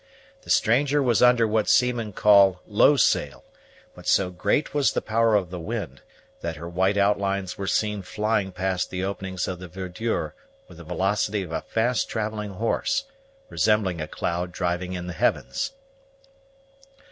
The stranger was under what seamen call low sail; but so great was the power of the wind, that her white outlines were seen flying past the openings of the verdure with the velocity of a fast travelling horse resembling a cloud driving in the heavens.